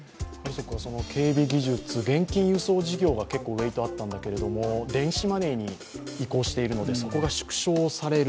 警備技術、現金輸送事業が結構ウエートがあったんですけれども、電子マネーに移行しているので、そこが縮小される。